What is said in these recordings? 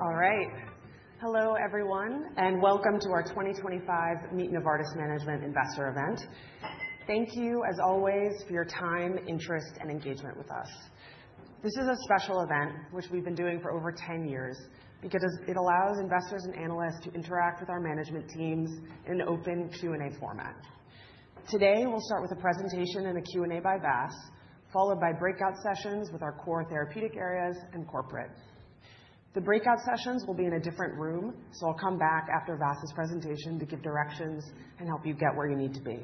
All right. Hello, everyone, and welcome to our 2025 Meet Novartis Management Investor event. Thank you, as always, for your time, interest, and engagement with us. This is a special event, which we've been doing for over 10 years because it allows investors and analysts to interact with our management teams in an open Q&A format. Today, we'll start with a presentation and a Q&A by Vas, followed by breakout sessions with our core therapeutic areas and corporate. The breakout sessions will be in a different room, so I'll come back after Vas's presentation to give directions and help you get where you need to be.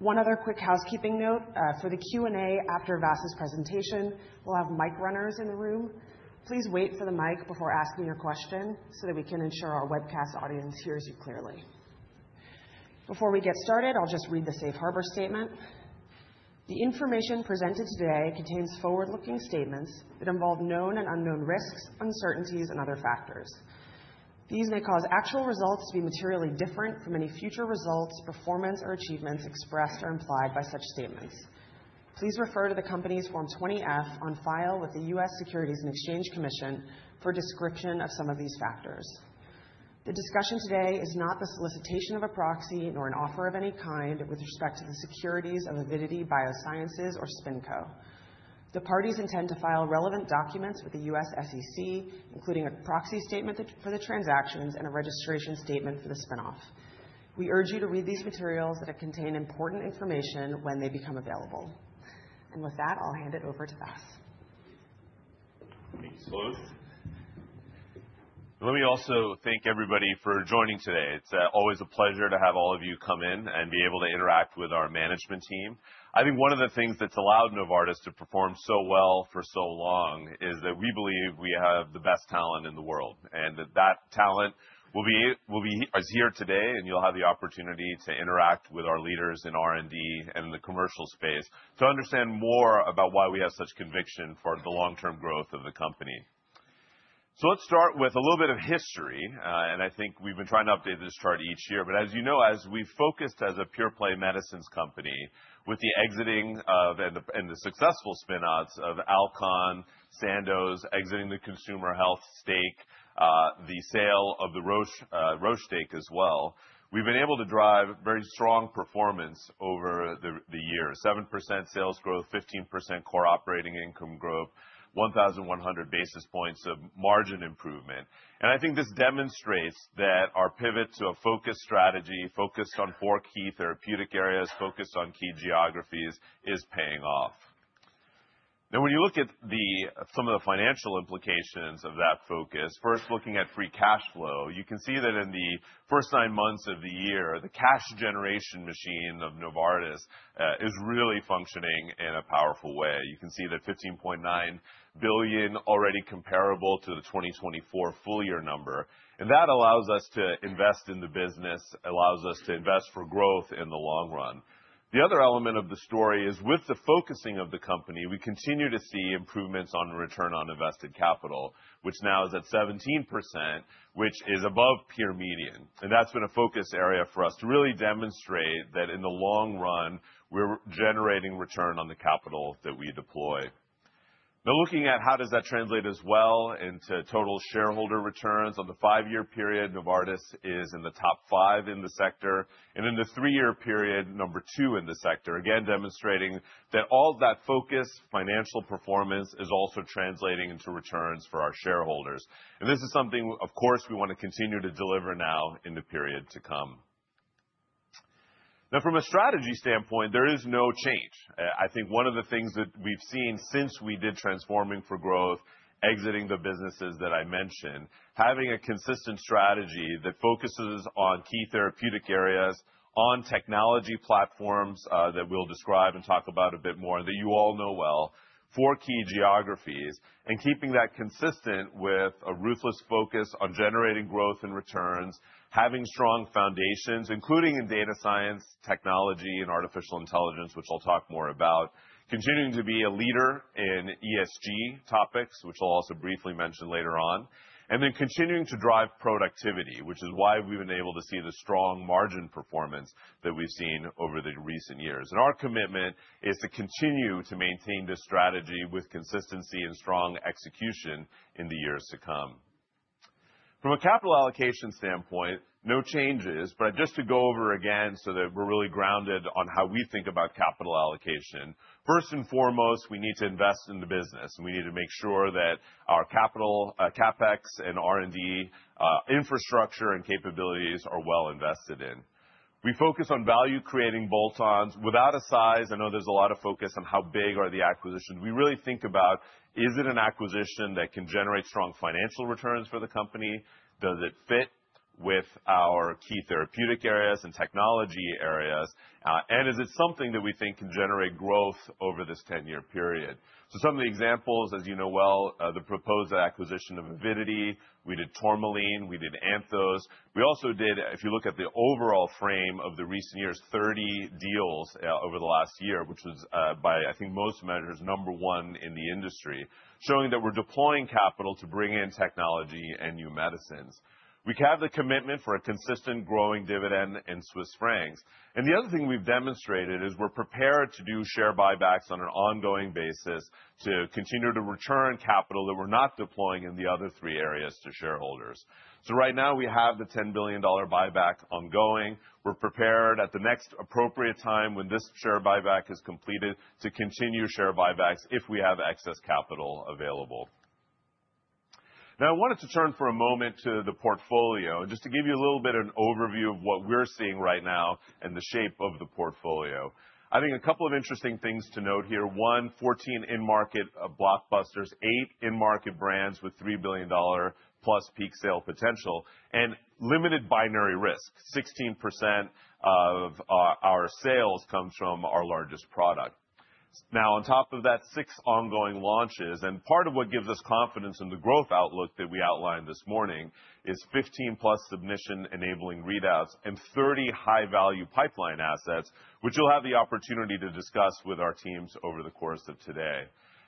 One other quick housekeeping note: for the Q&A after Vas's presentation, we'll have mic runners in the room. Please wait for the mic before asking your question so that we can ensure our webcast audience hears you clearly. Before we get started, I'll just read the Safe Harbor Statement. The information presented today contains forward-looking statements that involve known and unknown risks, uncertainties, and other factors. These may cause actual results to be materially different from any future results, performance, or achievements expressed or implied by such statements. Please refer to the company's Form 20F on file with the U.S. Securities and Exchange Commission for a description of some of these factors. The discussion today is not the solicitation of a proxy nor an offer of any kind with respect to the securities of Avidity Biosciences or SpinCo. The parties intend to file relevant documents with the U.S. SEC, including a proxy statement for the transactions and a registration statement for the spinoff. We urge you to read these materials that contain important information when they become available. With that, I'll hand it over to Vas. Thank you, Sloane. Let me also thank everybody for joining today. It's always a pleasure to have all of you come in and be able to interact with our management team. I think one of the things that's allowed Novartis to perform so well for so long is that we believe we have the best talent in the world, and that that talent will be here today, and you'll have the opportunity to interact with our leaders in R&D and the commercial space to understand more about why we have such conviction for the long-term growth of the company. Let's start with a little bit of history, and I think we've been trying to update this chart each year. As you know, as we've focused as a pure-play medicines company with the exiting of and the successful spinoffs of Alcon, Sandoz exiting the consumer health stake, the sale of the Roche stake as well, we've been able to drive very strong performance over the year: 7% sales growth, 15% core operating income growth, 1,100 basis points of margin improvement. I think this demonstrates that our pivot to a focused strategy focused on four key therapeutic areas, focused on key geographies, is paying off. Now, when you look at some of the financial implications of that focus, first, looking at free cash flow, you can see that in the first nine months of the year, the cash generation machine of Novartis is really functioning in a powerful way. You can see that $15.9 billion already comparable to the 2024 full year number, and that allows us to invest in the business, allows us to invest for growth in the long run. The other element of the story is, with the focusing of the company, we continue to see improvements on return on invested capital, which now is at 17%, which is above peer median. That has been a focus area for us to really demonstrate that in the long run, we're generating return on the capital that we deploy. Now, looking at how does that translate as well into total shareholder returns? On the five-year period, Novartis is in the top five in the sector, and in the three-year period, number two in the sector, again demonstrating that all of that focused financial performance is also translating into returns for our shareholders. This is something, of course, we want to continue to deliver now in the period to come. Now, from a strategy standpoint, there is no change. I think one of the things that we've seen since we did transforming for growth, exiting the businesses that I mentioned, having a consistent strategy that focuses on key therapeutic areas, on technology platforms that we'll describe and talk about a bit more that you all know well, four key geographies, and keeping that consistent with a ruthless focus on generating growth and returns, having strong foundations, including in data science, technology, and artificial intelligence, which I'll talk more about, continuing to be a leader in ESG topics, which I'll also briefly mention later on, and then continuing to drive productivity, which is why we've been able to see the strong margin performance that we've seen over the recent years. Our commitment is to continue to maintain this strategy with consistency and strong execution in the years to come. From a capital allocation standpoint, no changes, but just to go over again so that we're really grounded on how we think about capital allocation. First and foremost, we need to invest in the business, and we need to make sure that our capital, CapEx and R&D infrastructure and capabilities are well invested in. We focus on value-creating bolt-ons without a size. I know there's a lot of focus on how big are the acquisitions. We really think about, is it an acquisition that can generate strong financial returns for the company? Does it fit with our key therapeutic areas and technology areas? And is it something that we think can generate growth over this 10-year period? Some of the examples, as you know well, the proposed acquisition of Avidity, we did Tourmaline, we did Anthos. If you look at the overall frame of the recent years, 30 deals over the last year, which was by, I think, most measures, number one in the industry, showing that we're deploying capital to bring in technology and new medicines. We have the commitment for a consistent growing dividend in Swiss francs. The other thing we've demonstrated is we're prepared to do share buybacks on an ongoing basis to continue to return capital that we're not deploying in the other three areas to shareholders. Right now, we have the $10 billion buyback ongoing. We're prepared at the next appropriate time when this share buyback is completed to continue share buybacks if we have excess capital available. Now, I wanted to turn for a moment to the portfolio and just to give you a little bit of an overview of what we're seeing right now and the shape of the portfolio. I think a couple of interesting things to note here. One, 14 in-market blockbusters, eight in-market brands with $3 billion-plus peak sale potential, and limited binary risk. 16% of our sales comes from our largest product. Now, on top of that, six ongoing launches. Part of what gives us confidence in the growth outlook that we outlined this morning is 15-plus submission-enabling readouts and 30 high-value pipeline assets, which you'll have the opportunity to discuss with our teams over the course of today.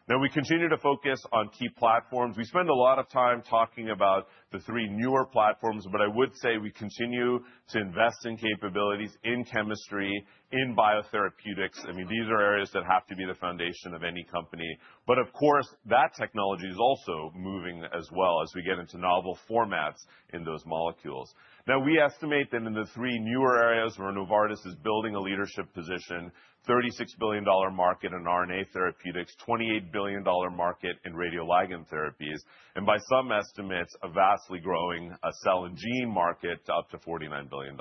Now, we continue to focus on key platforms. We spend a lot of time talking about the three newer platforms, but I would say we continue to invest in capabilities, in chemistry, in biotherapeutics. I mean, these are areas that have to be the foundation of any company. Of course, that technology is also moving as well as we get into novel formats in those molecules. Now, we estimate that in the three newer areas where Novartis is building a leadership position: $36 billion market in RNA therapeutics, $28 billion market in radioligand therapies, and by some estimates, a vastly growing cell and gene market to up to $49 billion.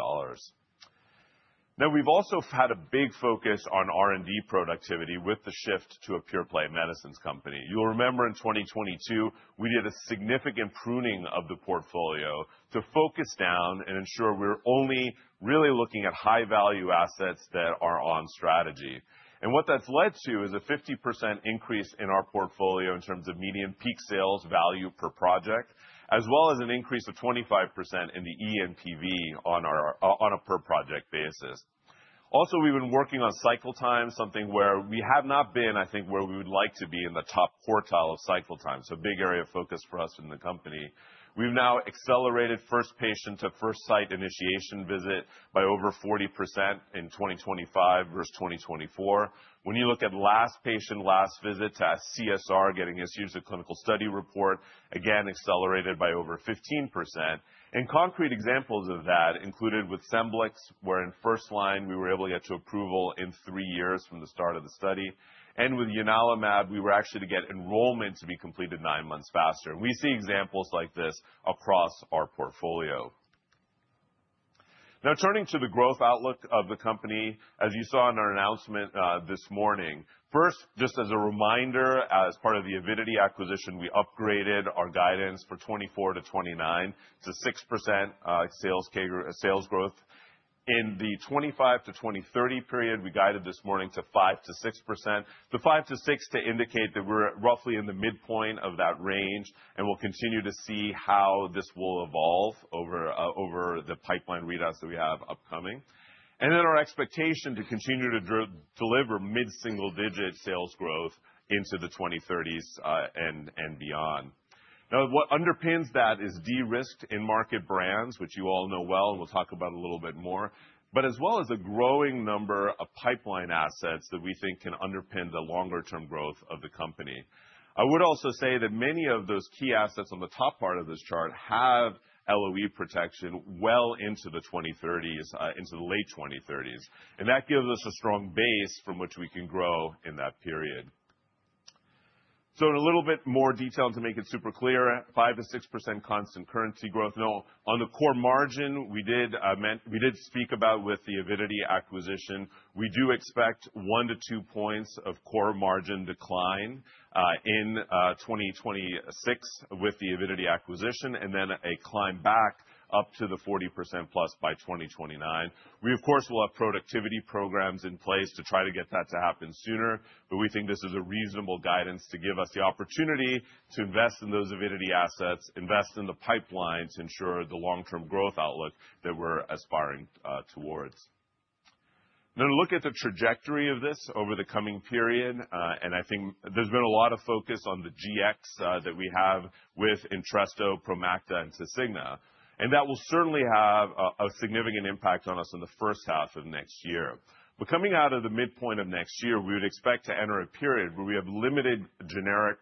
Now, we've also had a big focus on R&D productivity with the shift to a pure-play medicines company. You'll remember in 2022, we did a significant pruning of the portfolio to focus down and ensure we're only really looking at high-value assets that are on strategy. What that's led to is a 50% increase in our portfolio in terms of median peak sales value per project, as well as an increase of 25% in the ENPV on a per-project basis. Also, we've been working on cycle time, something where we have not been, I think, where we would like to be in the top quartile of cycle time, so a big area of focus for us in the company. We've now accelerated first patient to first site initiation visit by over 40% in 2025 versus 2024. When you look at last patient, last visit to CSR, getting a series of clinical study report, again, accelerated by over 15%. Concrete examples of that included with Scemblix, where in first line, we were able to get to approval in three years from the start of the study. With Unalimab, we were actually able to get enrollment to be completed nine months faster. We see examples like this across our portfolio. Now, turning to the growth outlook of the company, as you saw in our announcement this morning, first, just as a reminder, as part of the Avidity acquisition, we upgraded our guidance for 2024-2029 to 6% sales growth. In the 2025 to 2030 period, we guided this morning to 5-6%. The 5-6% to indicate that we're roughly in the midpoint of that range, and we'll continue to see how this will evolve over the pipeline readouts that we have upcoming. Our expectation is to continue to deliver mid-single-digit sales growth into the 2030s and beyond. Now, what underpins that is de-risked in-market brands, which you all know well, and we'll talk about a little bit more, but as well as a growing number of pipeline assets that we think can underpin the longer-term growth of the company. I would also say that many of those key assets on the top part of this chart have LOE protection well into the 2030s, into the late 2030s. That gives us a strong base from which we can grow in that period. In a little bit more detail and to make it super clear, 5-6% constant currency growth. Now, on the core margin, we did speak about with the Avidity acquisition. We do expect one to two percentage points of core margin decline in 2026 with the Avidity acquisition, and then a climb back up to the 40% plus by 2029. We, of course, will have productivity programs in place to try to get that to happen sooner, but we think this is a reasonable guidance to give us the opportunity to invest in those Avidity assets, invest in the pipeline to ensure the long-term growth outlook that we're aspiring towards. Now, to look at the trajectory of this over the coming period, I think there's been a lot of focus on the GX that we have with Entresto, Promacta, and Sysigna, and that will certainly have a significant impact on us in the first half of next year. Coming out of the midpoint of next year, we would expect to enter a period where we have limited generic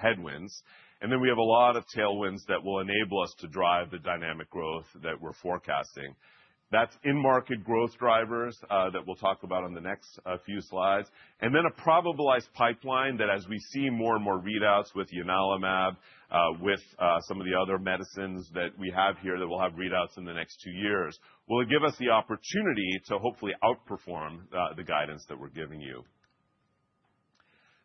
headwinds, and then we have a lot of tailwinds that will enable us to drive the dynamic growth that we're forecasting. That's in-market growth drivers that we'll talk about on the next few slides, and then a probabilized pipeline that, as we see more and more readouts with Ianalumab, with some of the other medicines that we have here that we'll have readouts in the next two years, will give us the opportunity to hopefully outperform the guidance that we're giving you.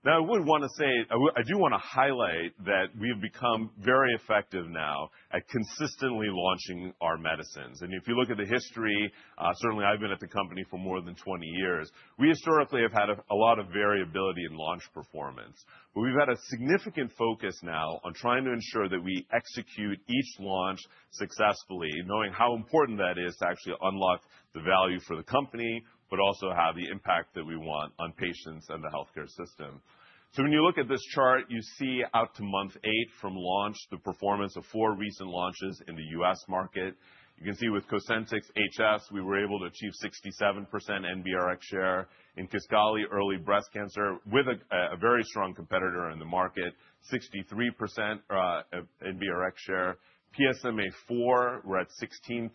Now, I would want to say, I do want to highlight that we've become very effective now at consistently launching our medicines. If you look at the history, certainly I've been at the company for more than 20 years, we historically have had a lot of variability in launch performance. We've had a significant focus now on trying to ensure that we execute each launch successfully, knowing how important that is to actually unlock the value for the company, but also have the impact that we want on patients and the healthcare system. When you look at this chart, you see out to month eight from launch, the performance of four recent launches in the U.S. market. You can see with Cosentyx HS, we were able to achieve 67% NBRX share. In Kisqali, early breast cancer, with a very strong competitor in the market, 63% NBRX share. PSMAfore, we're at 16%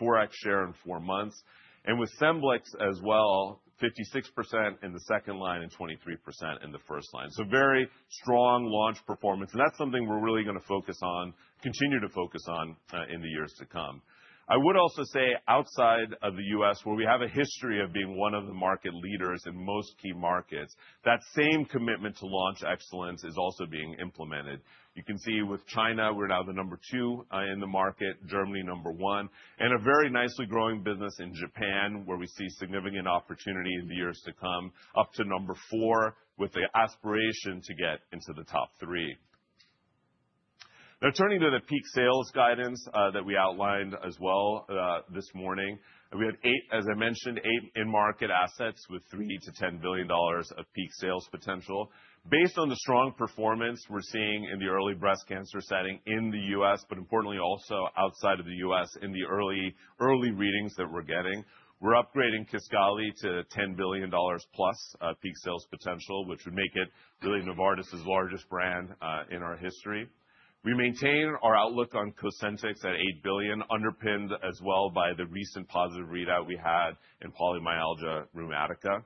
NBRX share in four months. With Scemblix as well, 56% in the second line and 23% in the first line. Very strong launch performance, and that's something we're really going to focus on, continue to focus on in the years to come. I would also say outside of the U.S., where we have a history of being one of the market leaders in most key markets, that same commitment to launch excellence is also being implemented. You can see with China, we're now the number two in the market, Germany number one, and a very nicely growing business in Japan, where we see significant opportunity in the years to come, up to number four with the aspiration to get into the top three. Now, turning to the peak sales guidance that we outlined as well this morning, we had eight, as I mentioned, eight in-market assets with $3 billion-$10 billion of peak sales potential. Based on the strong performance we're seeing in the early breast cancer setting in the U.S., but importantly also outside of the U.S. in the early readings that we're getting, we're upgrading Kisqali to $10 billion plus peak sales potential, which would make it really Novartis' largest brand in our history. We maintain our outlook on Cosentyx at $8 billion, underpinned as well by the recent positive readout we had in polymyalgia rheumatica.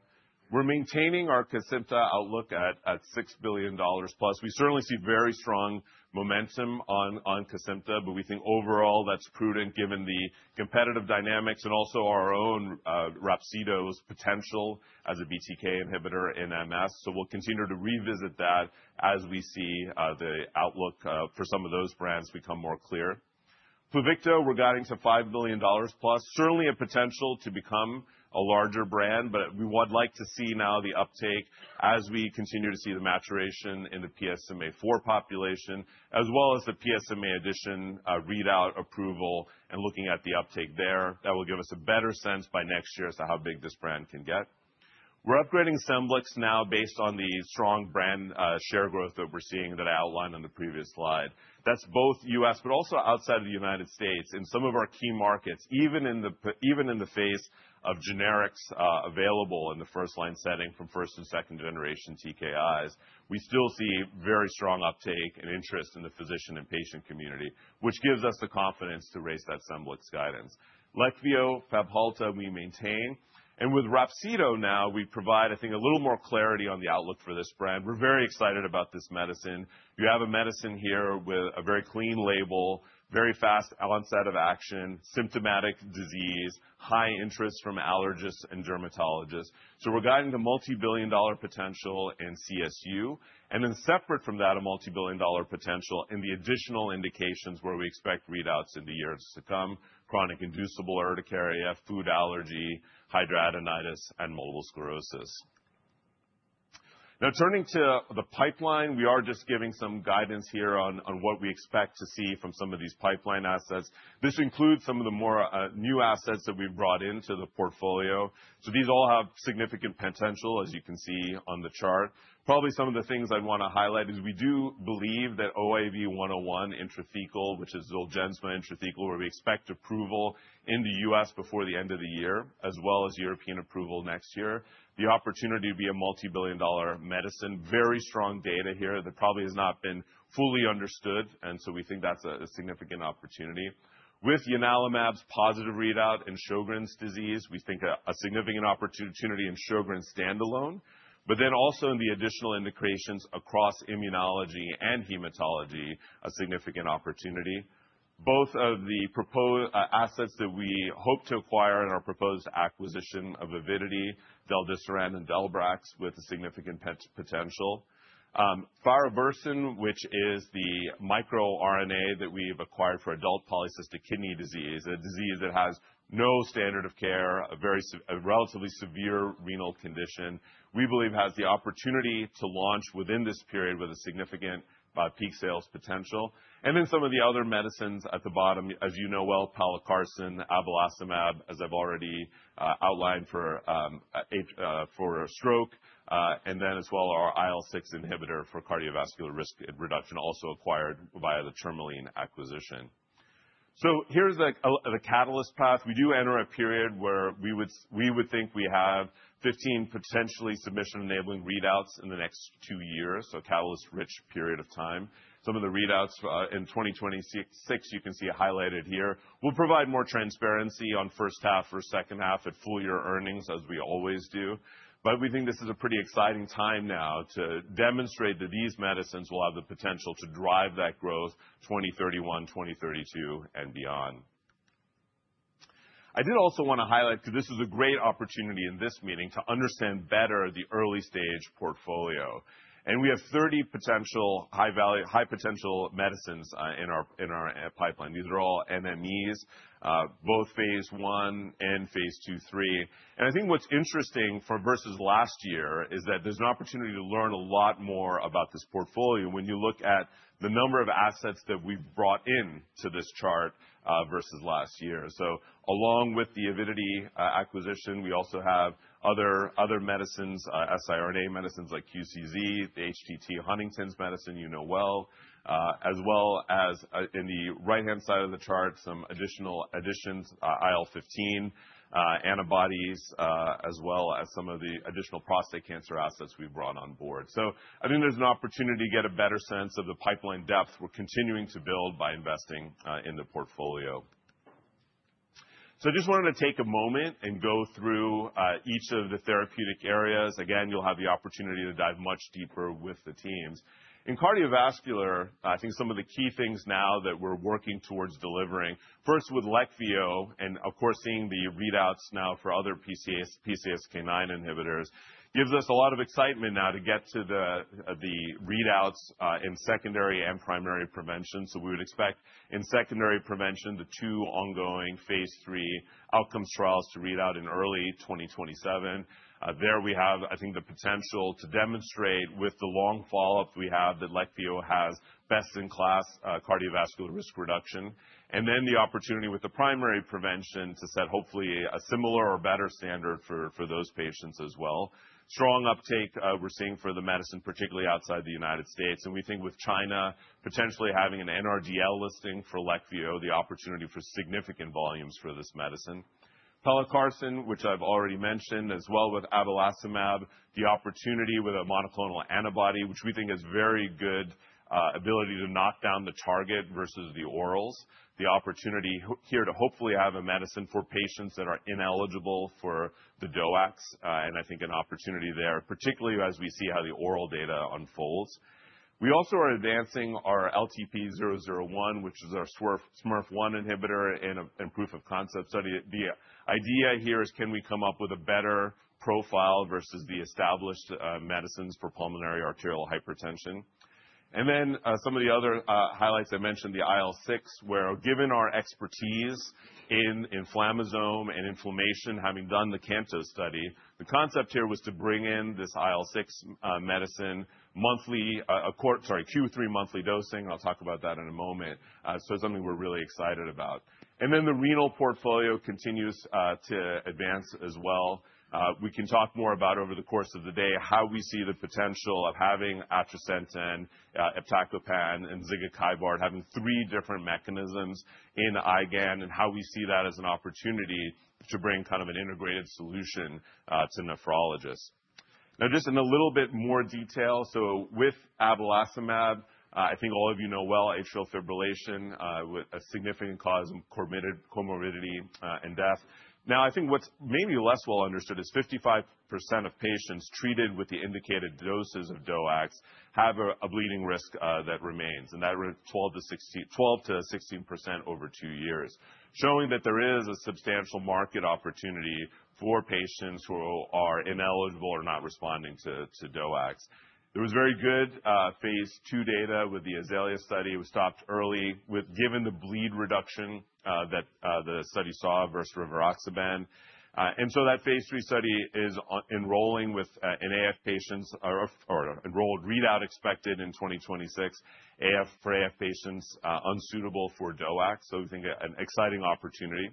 We're maintaining our Kesimpta outlook at $6 billion plus. We certainly see very strong momentum on Kesimpta, but we think overall that's prudent given the competitive dynamics and also our own Remibrutinib's potential as a BTK inhibitor in MS. We will continue to revisit that as we see the outlook for some of those brands become more clear. Pluvicto, we're guiding to $5 billion plus, certainly a potential to become a larger brand, but we would like to see now the uptake as we continue to see the maturation in the PSMA4 population, as well as the PSMA addition readout approval and looking at the uptake there. That will give us a better sense by next year as to how big this brand can get. We're upgrading Scemblix now based on the strong brand share growth that we're seeing that I outlined on the previous slide. That's both U.S., but also outside of the United States. In some of our key markets, even in the face of generics available in the first line setting from first and second generation TKIs, we still see very strong uptake and interest in the physician and patient community, which gives us the confidence to raise that Scemblix guidance. Leqvio, Fabhalta, we maintain. With Rapsido now, we provide, I think, a little more clarity on the outlook for this brand. We're very excited about this medicine. You have a medicine here with a very clean label, very fast onset of action, symptomatic disease, high interest from allergists and dermatologists. We're guiding the multi-billion dollar potential in CSU. Separate from that, a multi-billion dollar potential in the additional indications where we expect readouts in the years to come: chronic inducible urticaria, food allergy, hidradenitis, and multiple sclerosis. Now, turning to the pipeline, we are just giving some guidance here on what we expect to see from some of these pipeline assets. This includes some of the more new assets that we've brought into the portfolio. These all have significant potential, as you can see on the chart. Probably some of the things I'd want to highlight is we do believe that OAV101 intrathecal, which is Zolgensma intrathecal, where we expect approval in the U.S. before the end of the year, as well as European approval next year. The opportunity to be a multi-billion dollar medicine, very strong data here that probably has not been fully understood, and so we think that's a significant opportunity. With Ianalumab's positive readout in Sjogren's disease, we think a significant opportunity in Sjogren's standalone, but then also in the additional indications across immunology and hematology, a significant opportunity. Both of the assets that we hope to acquire in our proposed acquisition of Avidity, Deldesiran, and Delbrax with a significant potential. Faraburson, which is the microRNA that we've acquired for adult polycystic kidney disease, a disease that has no standard of care, a relatively severe renal condition, we believe has the opportunity to launch within this period with a significant peak sales potential. And then some of the other medicines at the bottom, as you know well, Pelacarsen, Avalastramab, as I've already outlined for stroke, and then as well our IL-6 inhibitor for cardiovascular risk reduction also acquired via the Tourmaline acquisition. Here is the catalyst path. We do enter a period where we would think we have 15 potentially submission-enabling readouts in the next two years, a catalyst-rich period of time. Some of the readouts in 2026, you can see highlighted here. We'll provide more transparency on first half or second half at full year earnings, as we always do. We think this is a pretty exciting time now to demonstrate that these medicines will have the potential to drive that growth 2031, 2032, and beyond. I did also want to highlight, because this is a great opportunity in this meeting, to understand better the early stage portfolio. We have 30 potential high-potential medicines in our pipeline. These are all MMEs, both phase one and phase two, three. I think what's interesting versus last year is that there's an opportunity to learn a lot more about this portfolio when you look at the number of assets that we've brought into this chart versus last year. Along with the Avidity acquisition, we also have other medicines, siRNA medicines like QCZ, the HTT Huntington's medicine you know well, as well as in the right-hand side of the chart, some additional additions, IL-15 antibodies, as well as some of the additional prostate cancer assets we've brought on board. I think there's an opportunity to get a better sense of the pipeline depth we're continuing to build by investing in the portfolio. I just wanted to take a moment and go through each of the therapeutic areas. Again, you'll have the opportunity to dive much deeper with the teams. In cardiovascular, I think some of the key things now that we're working towards delivering, first with Lecvio and, of course, seeing the readouts now for other PCSK9 inhibitors, gives us a lot of excitement now to get to the readouts in secondary and primary prevention. We would expect in secondary prevention, the two ongoing phase three outcomes trials to read out in early 2027. There we have, I think, the potential to demonstrate with the long follow-up we have that Lecvio has best-in-class cardiovascular risk reduction. The opportunity with the primary prevention is to set hopefully a similar or better standard for those patients as well. Strong uptake we're seeing for the medicine, particularly outside the United States. We think with China potentially having an NRDL listing for Lecvio, the opportunity for significant volumes for this medicine. Pelacarsen, which I've already mentioned, as well with Avalastramab, the opportunity with a monoclonal antibody, which we think has very good ability to knock down the target versus the orals. The opportunity here to hopefully have a medicine for patients that are ineligible for the DOACs, and I think an opportunity there, particularly as we see how the oral data unfolds. We also are advancing our LTP001, which is our SMURF1 inhibitor in a proof of concept study. The idea here is, can we come up with a better profile versus the established medicines for pulmonary arterial hypertension? Some of the other highlights I mentioned, the IL-6, where given our expertise in inflammasome and inflammation, having done the CAMTOS study, the concept here was to bring in this IL-6 medicine monthly, sorry, Q3 monthly dosing. I'll talk about that in a moment. It is something we're really excited about. The renal portfolio continues to advance as well. We can talk more about over the course of the day how we see the potential of having Atracentin, Eptacopan, and Zigotybard having three different mechanisms in Eigan, and how we see that as an opportunity to bring kind of an integrated solution to nephrologists. Now, just in a little bit more detail, so with Avalastramab, I think all of you know well, atrial fibrillation with a significant cause of comorbidity and death. Now, I think what's maybe less well understood is 55% of patients treated with the indicated doses of DOACs have a bleeding risk that remains, and that rate is 12-16% over two years, showing that there is a substantial market opportunity for patients who are ineligible or not responding to DOACs. There was very good phase two data with the Azalea study. It was stopped early given the bleed reduction that the study saw versus Rivaroxaban. That phase three study is enrolling with AF patients or enrolled, readout expected in 2026 for AF patients unsuitable for DOACs. We think an exciting opportunity.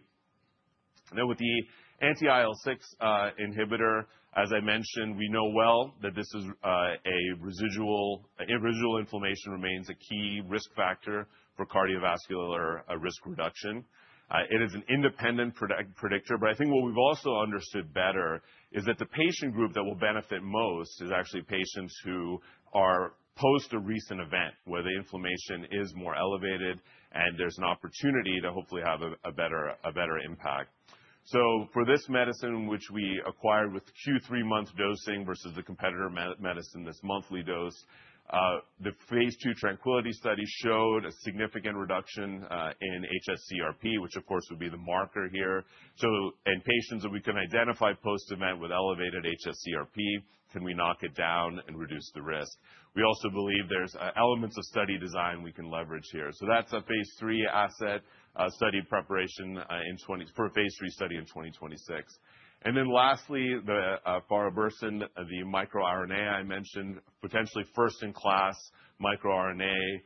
Now, with the anti-IL-6 inhibitor, as I mentioned, we know well that this is a residual inflammation remains a key risk factor for cardiovascular risk reduction. It is an independent predictor, but I think what we've also understood better is that the patient group that will benefit most is actually patients who are post a recent event where the inflammation is more elevated and there's an opportunity to hopefully have a better impact. For this medicine, which we acquired with Q3 month dosing versus the competitor medicine, this monthly dose, the phase two Tranquility study showed a significant reduction in HSCRP, which of course would be the marker here. In patients that we can identify post event with elevated HSCRP, can we knock it down and reduce the risk? We also believe there's elements of study design we can leverage here. That's a phase three asset study preparation for a phase three study in 2026. Lastly, the Faraburson, the microRNA I mentioned, potentially first in class microRNA,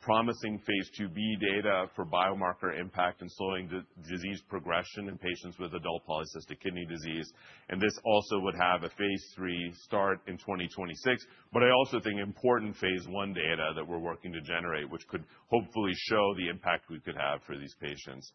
promising phase two B data for biomarker impact in slowing disease progression in patients with adult polycystic kidney disease. This also would have a phase three start in 2026, but I also think important phase one data that we're working to generate, which could hopefully show the impact we could have for these patients.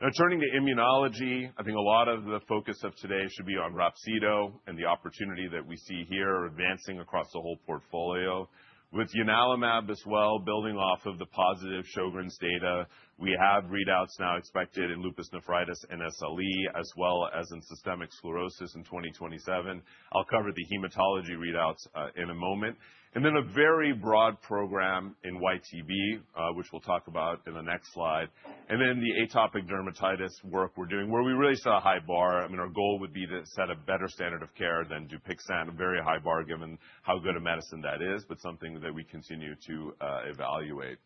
Now, turning to immunology, I think a lot of the focus of today should be on Rapsido and the opportunity that we see here advancing across the whole portfolio. With Unalimab as well, building off of the positive Sjogren's data, we have readouts now expected in lupus nephritis and SLE, as well as in systemic sclerosis in 2027. I'll cover the hematology readouts in a moment. There is a very broad program in YTB, which we'll talk about in the next slide. The atopic dermatitis work we're doing is where we really set a high bar. I mean, our goal would be to set a better standard of care than Dupixent, a very high bar given how good a medicine that is, but something that we continue to evaluate.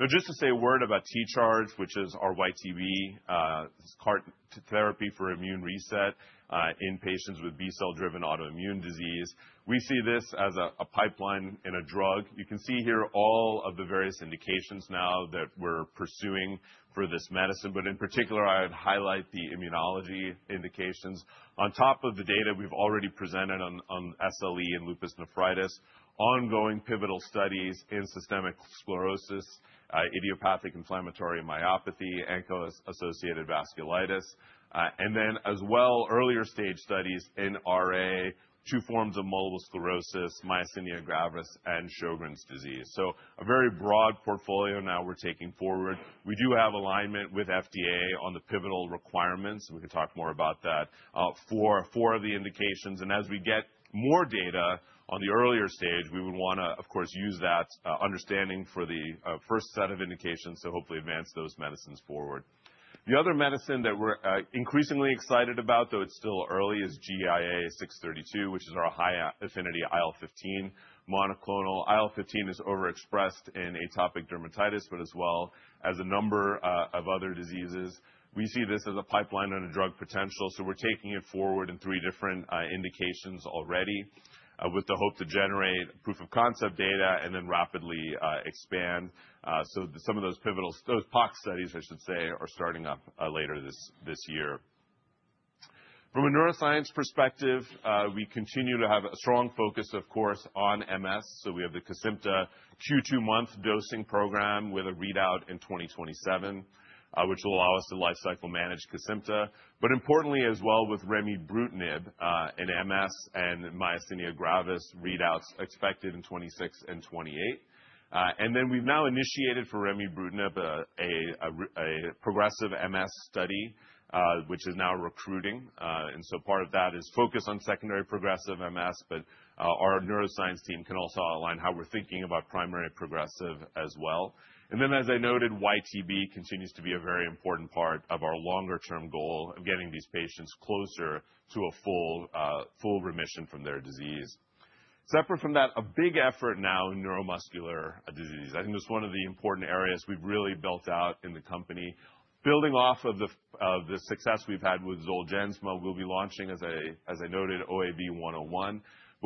Now, just to say a word about T-Charge, which is our YTB CART therapy for immune reset in patients with B-cell driven autoimmune disease. We see this as a pipeline in a drug. You can see here all of the various indications now that we're pursuing for this medicine, but in particular, I would highlight the immunology indications. On top of the data we've already presented on SLE and lupus nephritis, ongoing pivotal studies in systemic sclerosis, idiopathic inflammatory myopathy, ANCA associated vasculitis, and then as well, earlier stage studies in RA, two forms of multiple sclerosis, myasthenia gravis, and Sjogren's disease. A very broad portfolio now we're taking forward. We do have alignment with FDA on the pivotal requirements. We can talk more about that for the indications. As we get more data on the earlier stage, we would want to, of course, use that understanding for the first set of indications to hopefully advance those medicines forward. The other medicine that we're increasingly excited about, though it's still early, is GIA 632, which is our high affinity IL-15 monoclonal. IL-15 is overexpressed in atopic dermatitis, as well as a number of other diseases. We see this as a pipeline and a drug potential, so we're taking it forward in three different indications already with the hope to generate proof of concept data and then rapidly expand. Some of those pivotal, those POC studies, I should say, are starting up later this year. From a neuroscience perspective, we continue to have a strong focus, of course, on MS. We have the Kesimpta Q2 month dosing program with a readout in 2027, which will allow us to lifecycle manage Kesimpta. Importantly as well with Remibrutinib in MS and myasthenia gravis, readouts are expected in 2026 and 2028. We have now initiated for Remibrutinib a progressive MS study, which is now recruiting. Part of that is focus on secondary progressive MS, but our neuroscience team can also outline how we're thinking about primary progressive as well. As I noted, T-Charge continues to be a very important part of our longer-term goal of getting these patients closer to a full remission from their disease. Separate from that, a big effort now in neuromuscular disease. I think it's one of the important areas we've really built out in the company. Building off of the success we've had with Zolgensma, we'll be launching, as I noted, OAV101.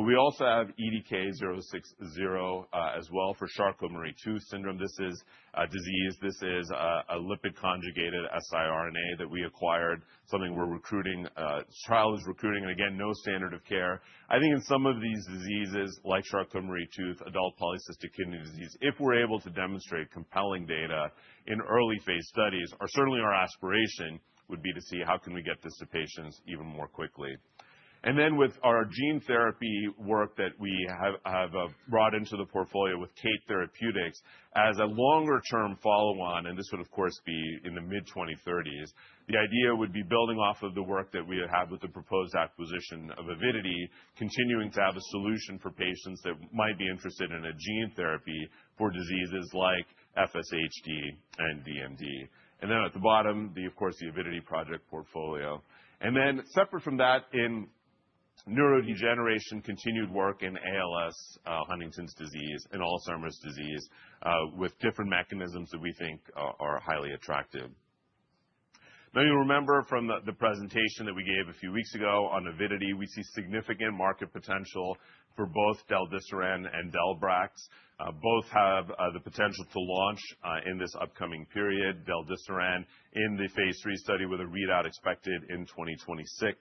We also have EDK060 as well for Charcot-Marie-Tooth syndrome. This is a disease. This is a lipid conjugated siRNA that we acquired, something we're recruiting. This trial is recruiting, and again, no standard of care. I think in some of these diseases like Charcot-Marie-Tooth, adult polycystic kidney disease, if we're able to demonstrate compelling data in early phase studies, certainly our aspiration would be to see how can we get this to patients even more quickly. With our gene therapy work that we have brought into the portfolio with Kate Therapeutics as a longer-term follow-on, this would, of course, be in the mid-2030s. The idea would be building off of the work that we have with the proposed acquisition of Avidity, continuing to have a solution for patients that might be interested in a gene therapy for diseases like FSHD and DMD. At the bottom, of course, the Avidity Project portfolio. Separate from that, in neurodegeneration, continued work in ALS, Huntington's disease, and Alzheimer's disease with different mechanisms that we think are highly attractive. You will remember from the presentation that we gave a few weeks ago on Avidity, we see significant market potential for both Deldesiran and Delbrax. Both have the potential to launch in this upcoming period, Deldesiran in the phase three study with a readout expected in 2026.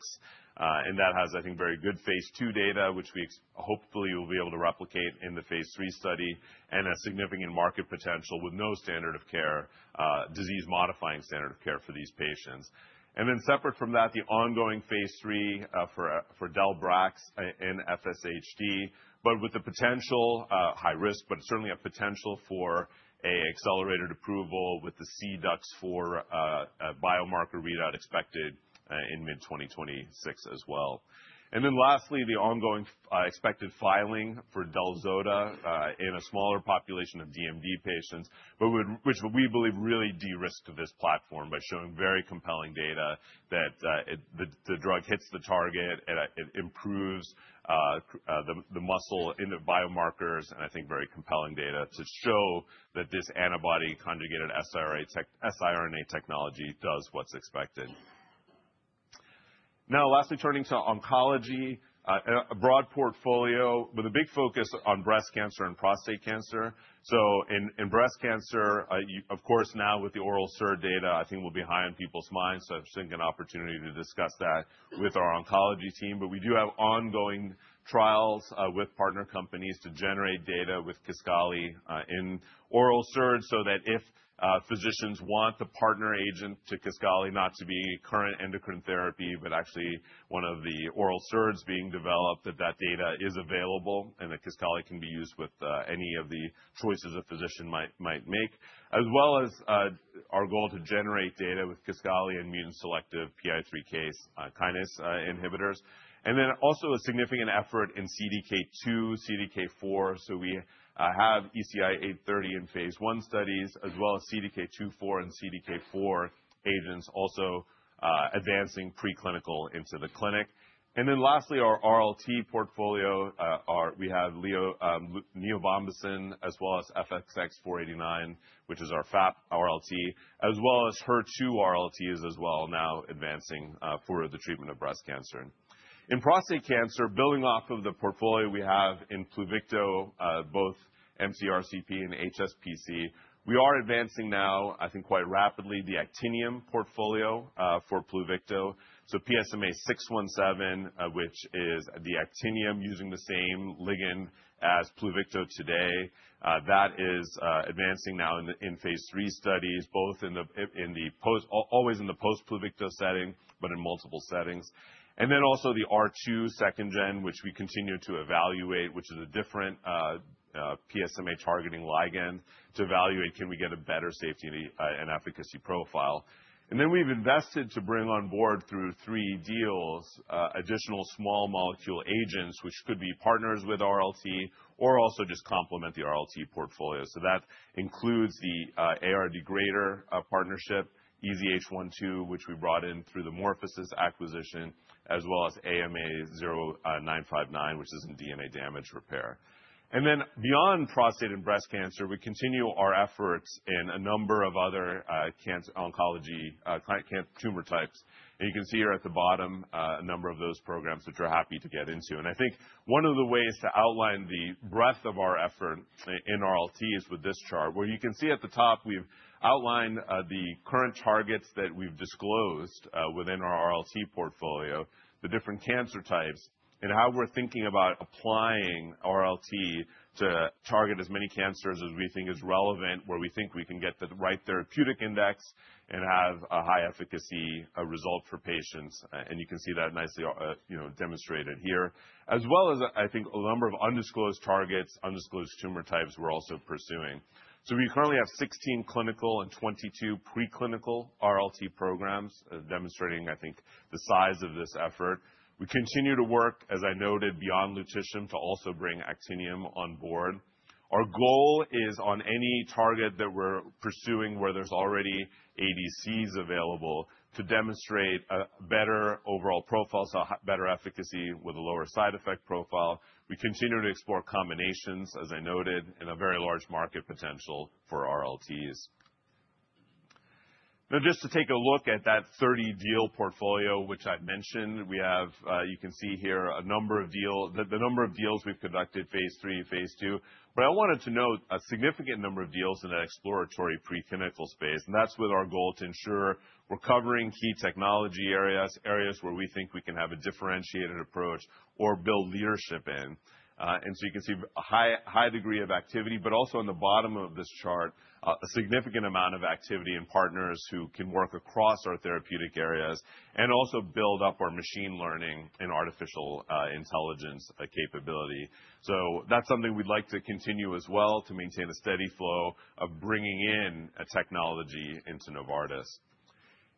That has, I think, very good phase two data, which we hopefully will be able to replicate in the phase three study and a significant market potential with no standard of care, disease-modifying standard of care for these patients. Separate from that, the ongoing phase three for Delbrax in FSHD, with the potential, high risk, but certainly a potential for an accelerated approval with the CDUX4 biomarker readout expected in mid-2026 as well. Then lastly, the ongoing expected filing for Delzoda in a smaller population of DMD patients, which we believe really de-risked this platform by showing very compelling data that the drug hits the target, it improves the muscle biomarkers, and I think very compelling data to show that this antibody conjugated siRNA technology does what's expected. Lastly, turning to oncology, a broad portfolio with a big focus on breast cancer and prostate cancer. In breast cancer, of course, now with the oral SIR data, I think will be high on people's minds. I am just thinking an opportunity to discuss that with our oncology team. We do have ongoing trials with partner companies to generate data with Kisqali in oral SIRs so that if physicians want the partner agent to Kisqali not to be current endocrine therapy, but actually one of the oral SIRs being developed, that that data is available and that Kisqali can be used with any of the choices a physician might make, as well as our goal to generate data with Kisqali and immune selective PI3K kinase inhibitors. There is also a significant effort in CDK2, CDK4. We have ECI830 in phase one studies, as well as CDK2, 4, and CDK4 agents also advancing preclinical into the clinic. Lastly, our RLT portfolio, we have Neobombicin, as well as FXX489, which is our FAP RLT, as well as HER2 RLTs as well now advancing for the treatment of breast cancer. In prostate cancer, building off of the portfolio we have in Pluvicto, both mCRPC and HSPC, we are advancing now, I think quite rapidly, the actinium portfolio for Pluvicto. PSMA-617, which is the actinium using the same ligand as Pluvicto today, that is advancing now in phase three studies, always in the post-Pluvicto setting, but in multiple settings. We also have the R2 second gen, which we continue to evaluate, which is a different PSMA targeting ligand to evaluate if we can get a better safety and efficacy profile. We have invested to bring on board through three deals, additional small molecule agents, which could be partners with RLT or also just complement the RLT portfolio. That includes the AR degrader partnership, EZH12, which we brought in through the MorphoSys acquisition, as well as AMA 0959, which is in DNA damage repair. Beyond prostate and breast cancer, we continue our efforts in a number of other cancer oncology tumor types. You can see here at the bottom a number of those programs that you're happy to get into. I think one of the ways to outline the breadth of our effort in RLT is with this chart, where you can see at the top we've outlined the current targets that we've disclosed within our RLT portfolio, the different cancer types, and how we're thinking about applying RLT to target as many cancers as we think is relevant, where we think we can get the right therapeutic index and have a high efficacy result for patients. You can see that nicely demonstrated here, as well as I think a number of undisclosed targets, undisclosed tumor types we're also pursuing. We currently have 16 clinical and 22 preclinical RLT programs demonstrating, I think, the size of this effort. We continue to work, as I noted, beyond Lutathera to also bring Actinium on board. Our goal is on any target that we're pursuing where there's already ADCs available to demonstrate a better overall profile, so better efficacy with a lower side effect profile. We continue to explore combinations, as I noted, and a very large market potential for RLTs. Now, just to take a look at that 30 deal portfolio, which I've mentioned, we have, you can see here a number of deals, the number of deals we've conducted phase three and phase two, but I wanted to note a significant number of deals in an exploratory preclinical space. That is with our goal to ensure we're covering key technology areas, areas where we think we can have a differentiated approach or build leadership in. You can see a high degree of activity, but also in the bottom of this chart, a significant amount of activity in partners who can work across our therapeutic areas and also build up our machine learning and artificial intelligence capability. That is something we'd like to continue as well to maintain a steady flow of bringing in a technology into Novartis.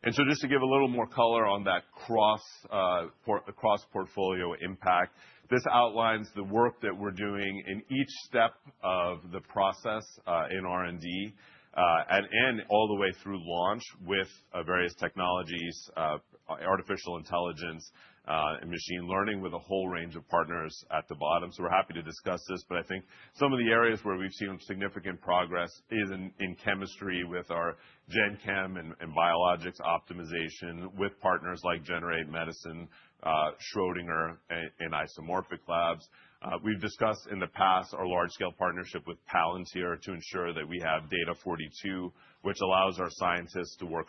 Just to give a little more color on that cross-portfolio impact, this outlines the work that we're doing in each step of the process in R&D and all the way through launch with various technologies, artificial intelligence, and machine learning with a whole range of partners at the bottom. We are happy to discuss this, but I think some of the areas where we have seen significant progress is in chemistry with our Gen Chem and biologics optimization with partners like Generate Medicine, Schrodinger, and Isomorphic Labs. We have discussed in the past our large-scale partnership with Palantir to ensure that we have Data42, which allows our scientists to work,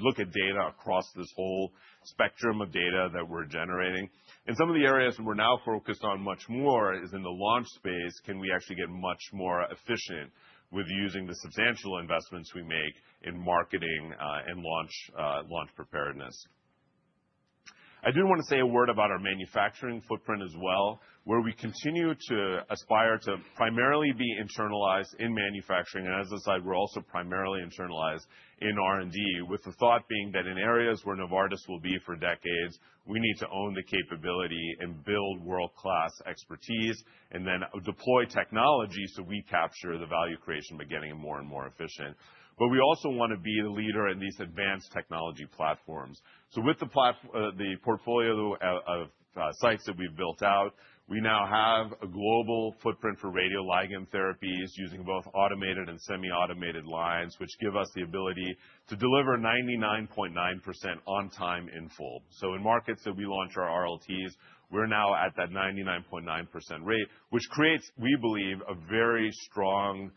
look at data across this whole spectrum of data that we are generating. Some of the areas we are now focused on much more is in the launch space, can we actually get much more efficient with using the substantial investments we make in marketing and launch preparedness. I do want to say a word about our manufacturing footprint as well, where we continue to aspire to primarily be internalized in manufacturing. As I said, we're also primarily internalized in R&D, with the thought being that in areas where Novartis will be for decades, we need to own the capability and build world-class expertise and then deploy technology so we capture the value creation by getting more and more efficient. We also want to be the leader in these advanced technology platforms. With the portfolio of sites that we've built out, we now have a global footprint for radioligand therapies using both automated and semi-automated lines, which give us the ability to deliver 99.9% on time in full. In markets that we launch our RLTs, we're now at that 99.9% rate, which creates, we believe, a very strong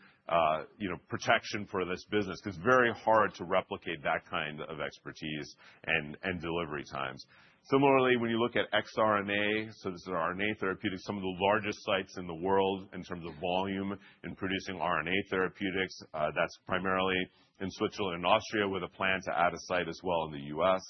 protection for this business because it's very hard to replicate that kind of expertise and delivery times. Similarly, when you look at XRNA, so this is our RNA therapeutics, some of the largest sites in the world in terms of volume in producing RNA therapeutics. That's primarily in Switzerland and Austria with a plan to add a site as well in the U.S.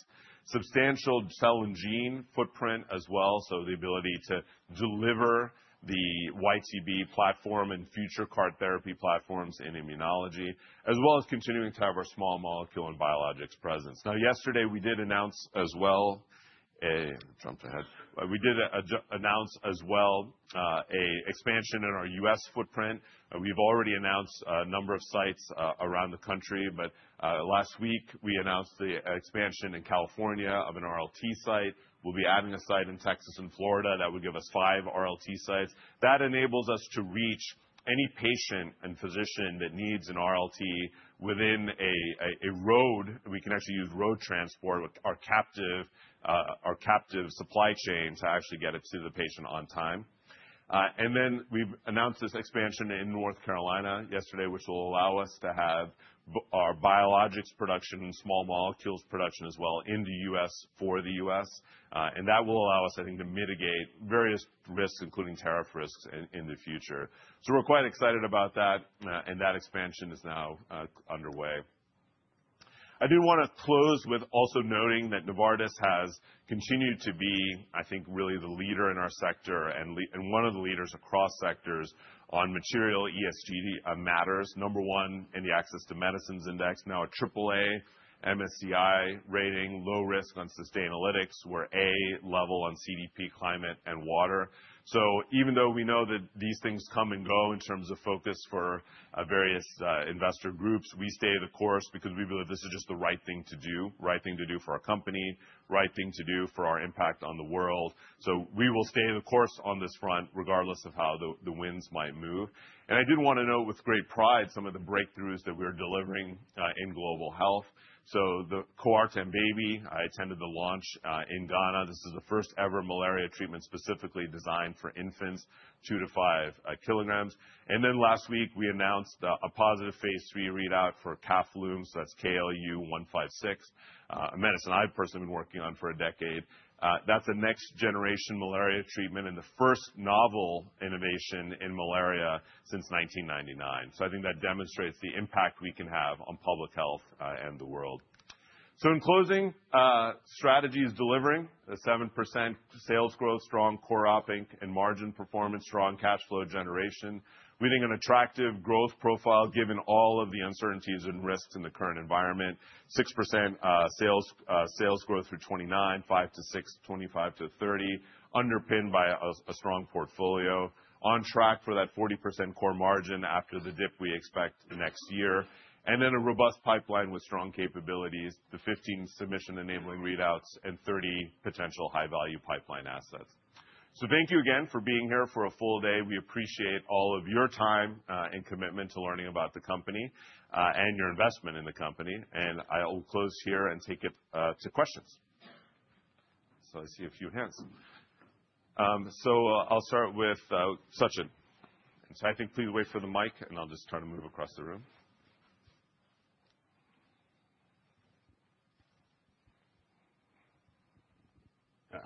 Substantial cell and gene footprint as well, so the ability to deliver the YTB platform and future CART therapy platforms in immunology, as well as continuing to have our small molecule and biologics presence. Now, yesterday we did announce as well, jumped ahead, we did announce as well an expansion in our U.S. footprint. We've already announced a number of sites around the country, but last week we announced the expansion in California of an RLT site. We'll be adding a site in Texas and Florida that would give us five RLT sites. That enables us to reach any patient and physician that needs an RLT within a road. We can actually use road transport or captive supply chain to actually get it to the patient on time. We have announced this expansion in North Carolina yesterday, which will allow us to have our biologics production and small molecules production as well in the US for the US. That will allow us, I think, to mitigate various risks, including tariff risks in the future. We are quite excited about that, and that expansion is now underway. I do want to close with also noting that Novartis has continued to be, I think, really the leader in our sector and one of the leaders across sectors on material ESG matters. Number one in the Access to Medicines Index, now a AAA MSCI rating, low risk on Sustainalytics, we are A level on CDP, climate, and water. Even though we know that these things come and go in terms of focus for various investor groups, we stay the course because we believe this is just the right thing to do, right thing to do for our company, right thing to do for our impact on the world. We will stay the course on this front regardless of how the winds might move. I did want to note with great pride some of the breakthroughs that we're delivering in global health. The Coartem Baby, I attended the launch in Ghana. This is the first ever malaria treatment specifically designed for infants two to five kilograms. Last week we announced a positive phase three readout for Kafnoquin, so that's KAF156, a medicine I've personally been working on for a decade. That's a next-generation malaria treatment and the first novel innovation in malaria since 1999. I think that demonstrates the impact we can have on public health and the world. In closing, strategy is delivering a 7% sales growth, strong core operating income and margin performance, strong cash flow generation, leading an attractive growth profile given all of the uncertainties and risks in the current environment, 6% sales growth through 2029, 5-6% from 2025 to 2030, underpinned by a strong portfolio, on track for that 40% core margin after the dip we expect next year, and then a robust pipeline with strong capabilities, the 15 submission-enabling readouts and 30 potential high-value pipeline assets. Thank you again for being here for a full day. We appreciate all of your time and commitment to learning about the company and your investment in the company. I'll close here and take it to questions. I see a few hands. I'll start with Sachin. I think please wait for the mic and I'll just try to move across the room.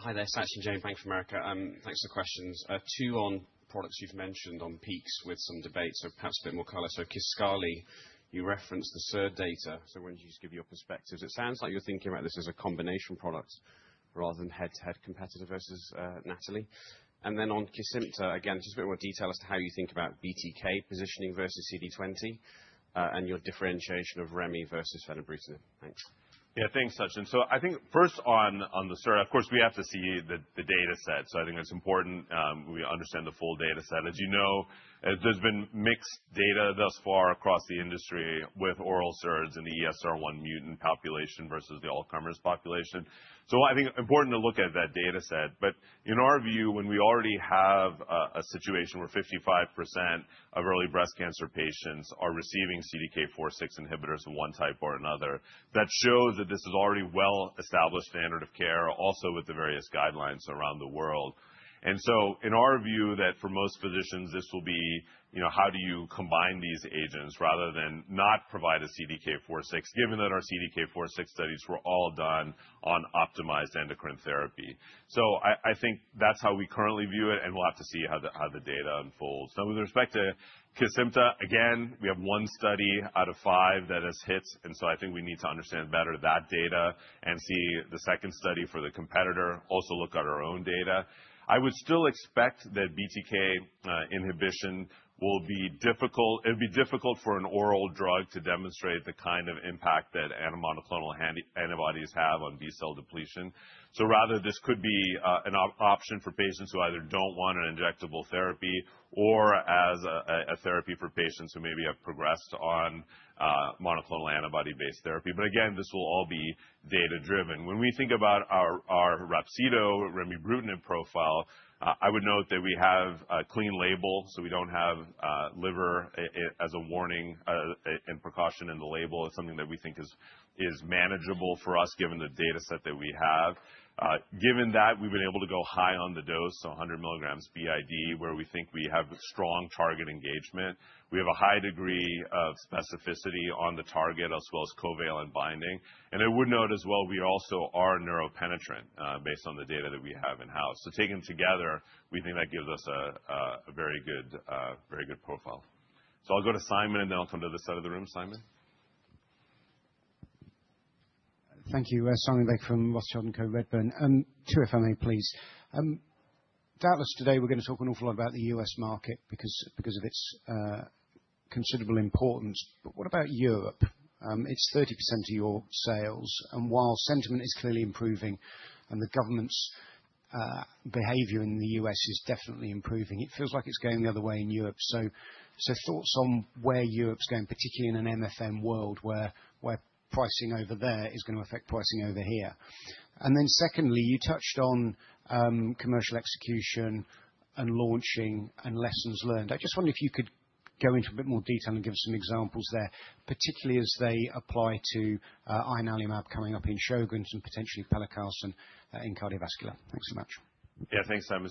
Hi there, Sachin James, Bank of America. Thanks for the questions. Two on products you've mentioned on peaks with some debate, so perhaps a bit more color. Kisqali, you referenced the SIR data, so why don't you just give your perspectives? It sounds like you're thinking about this as a combination product rather than head-to-head competitor versus Natalie. On Kesimpta, again, just a bit more detail as to how you think about BTK positioning versus CD20 and your differentiation of Remibrutinib versus Fenebrutinib. Thanks. Yeah, thanks, Sachin. I think first on the SIR, of course we have to see the data set. I think it's important we understand the full data set. As you know, there's been mixed data thus far across the industry with oral SIRs and the ESR1 mutant population versus the Alzheimer's population. I think important to look at that data set. In our view, when we already have a situation where 55% of early breast cancer patients are receiving CDK4/6 inhibitors of one type or another, that shows that this is already a well-established standard of care, also with the various guidelines around the world. In our view, for most physicians, this will be how do you combine these agents rather than not provide a CDK4/6, given that our CDK4/6 studies were all done on optimized endocrine therapy. I think that's how we currently view it, and we'll have to see how the data unfolds. Now, with respect to Kesimpta, again, we have one study out of five that has hit, and I think we need to understand better that data and see the second study for the competitor, also look at our own data. I would still expect that BTK inhibition will be difficult. It would be difficult for an oral drug to demonstrate the kind of impact that anti-monoclonal antibodies have on B-cell depletion. Rather, this could be an option for patients who either do not want an injectable therapy or as a therapy for patients who maybe have progressed on monoclonal antibody-based therapy. Again, this will all be data-driven. When we think about our Rapsido Remibrutinib profile, I would note that we have a clean label, so we don't have liver as a warning and precaution in the label. It's something that we think is manageable for us given the data set that we have. Given that, we've been able to go high on the dose, so 100 milligrams b.i.d., where we think we have strong target engagement. We have a high degree of specificity on the target, as well as covalent binding. I would note as well, we also are neuropenetrant based on the data that we have in-house. Taken together, we think that gives us a very good profile. I'll go to Simon and then I'll come to this side of the room. Simon? Thank you. Simon Lake from Redburn. Two if I may, please. Doubtless today we're going to talk an awful lot about the U.S. market because of its considerable importance. What about Europe? It's 30% of your sales. While sentiment is clearly improving and the government's behavior in the U.S. is definitely improving, it feels like it's going the other way in Europe. Thoughts on where Europe's going, particularly in an MFN world where pricing over there is going to affect pricing over here. Secondly, you touched on commercial execution and launching and lessons learned. I just wondered if you could go into a bit more detail and give us some examples there, particularly as they apply to ianalumab coming up in Sjogren's and potentially pelacarsen in cardiovascular. Thanks so much. Yeah, thanks, Simon.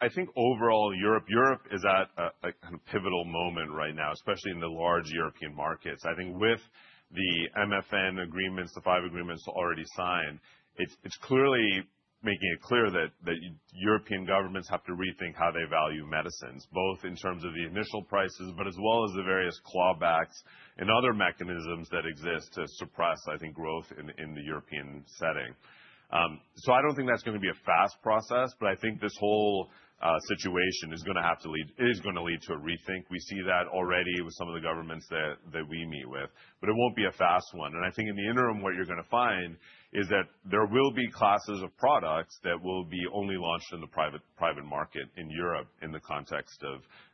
I think overall Europe, Europe is at a kind of pivotal moment right now, especially in the large European markets. I think with the MFN agreements, the five agreements already signed, it's clearly making it clear that European governments have to rethink how they value medicines, both in terms of the initial prices, but as well as the various clawbacks and other mechanisms that exist to suppress, I think, growth in the European setting. I don't think that's going to be a fast process, but I think this whole situation is going to have to lead, is going to lead to a rethink. We see that already with some of the governments that we meet with, but it won't be a fast one. I think in the interim, what you're going to find is that there will be classes of products that will be only launched in the private market in Europe in the context